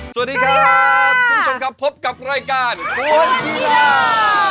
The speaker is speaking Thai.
สวัสดีครับคุณผู้ชมครับพบกับรายการคนกีฬา